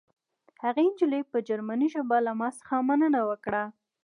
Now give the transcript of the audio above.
هغې نجلۍ په جرمني ژبه له ما څخه مننه وکړه